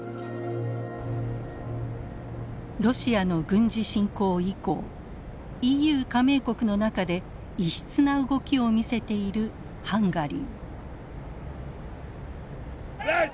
ロシアの軍事侵攻以降ＥＵ加盟国の中で異質な動きを見せているハンガリー。